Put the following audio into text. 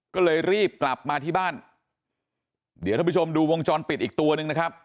ก็เลยรีบกลับมาที่บ้านเดี๋ยวท่านผู้ชมดูวงจรปิดอีกตัวหนึ่งนะครับ